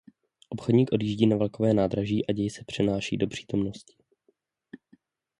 Obchodník odjíždí na vlakové nádraží a děj se přenáší do přítomnosti.